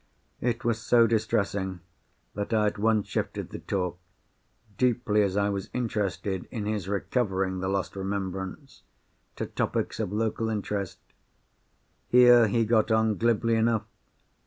It was so distressing that I at once shifted the talk—deeply as I was interested in his recovering the lost remembrance—to topics of local interest. Here, he got on glibly enough.